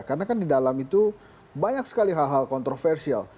karena kan di dalam itu banyak sekali hal hal kontroversi